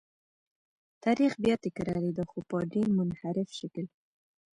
تاریخ بیا تکرارېده خو په ډېر منحرف شکل.